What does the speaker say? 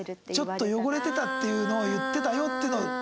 ちょっと汚れてたっていうのを言ってたよっていうのを。